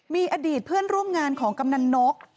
มีอดีตเพื่อนร่วมงานของกำนันนก